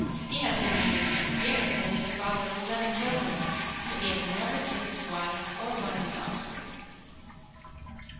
He has been married twenty years and is the father of eleven children, but has never kissed his wife or one of his offspring.